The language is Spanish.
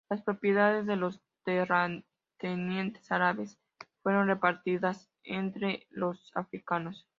Las propiedades de los terratenientes árabes fueron repartidas entre los africanos.